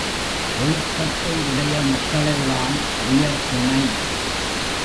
ஒழுக்கத்தை உடைய மக்களெல்லாம் உயர்திணை.